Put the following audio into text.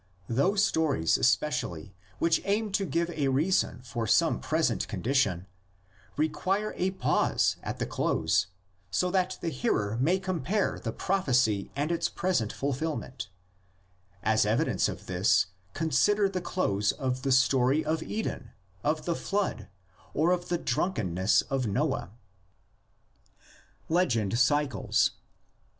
Those stories especially which aim to give a reason for some present condition (Cp. pp. 17, and 25 36) require a pause at the close so that the hearer may compare the prophecy and its pres ent fulfilment; as evidence of this consider the close of the story of Eden, of the Flood, or of the drunk enness of Noah. LITERARY FORMS OF THE LEGENDS. 45 LEGEND CYCLES.